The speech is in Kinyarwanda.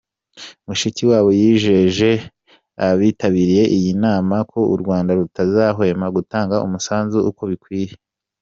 Mushikiwabo yijeje abitabiriye iyi nama ko u Rwanda rutazahwema gutanga umusanzu uko bikwiye.